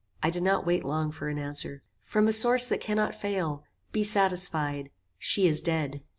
I did not wait long for an answer. "From a source that cannot fail. Be satisfied. She is dead."